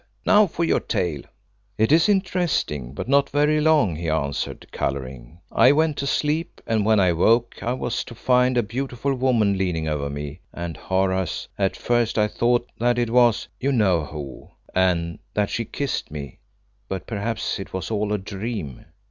Now for your tale." "It is interesting, but not very long," he answered, colouring. "I went to sleep, and when I woke it was to find a beautiful woman leaning over me, and Horace at first I thought that it was you know who, and that she kissed me; but perhaps it was all a dream."